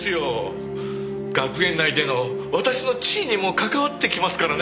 学園内での私の地位にも関わってきますからね。